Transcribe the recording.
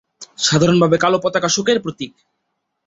সাধারণভাবে কালো পতাকা শোকের প্রতীক।